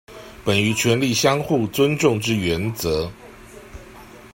本於權力相互尊重之原則